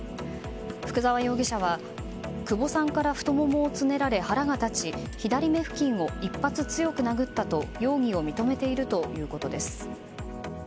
福沢容疑者は久保さんから太ももをつねられ腹が立ち左目付近を一発強く殴ったと容疑を認めているということです。